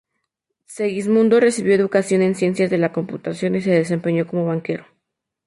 Segismundo recibió educación en ciencias de la computación y se desempeñó como banquero.